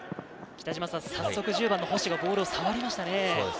早速、１０番の星がボールを触りましたね。